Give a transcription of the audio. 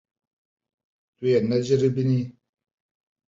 Tu yê neceribînî.